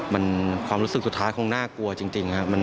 มันความรู้สึกสุดท้ายคงน่ากลัวจริงครับ